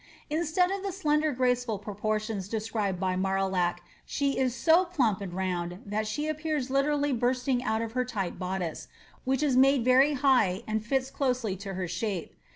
Instead of the slender graceful proportions described by Marillac, she is so plump and round that she appears literally bursting out of her tight boddice, which is made very high and fits closely to her shape.